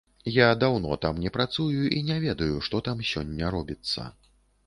Я даўно там не працую і не ведаю, што там сёння робіцца.